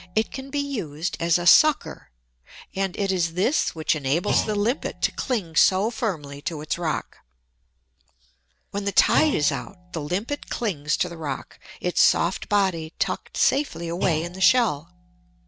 It can be used as a sucker; and it is this which enables the Limpet to cling so firmly to its rock. When the tide is out, the Limpet clings to the rock, its soft body tucked safely away in the shell.